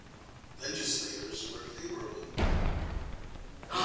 Legislators were favorable.